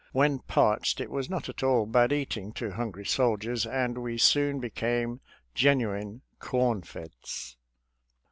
When parched it was not at all bad eating to hungry soldiers, and we soon became genuine Oornfeds.